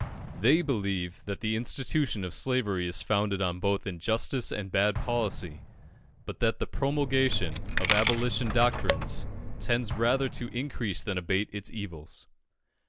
They believe that the institution of slavery is founded on both injustice and bad policy; but that the promulgation of Abolition doctrines tends rather to increase than abate its evils.